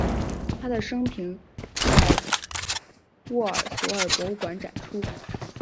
他的生平在沃尔索尔博物馆展出。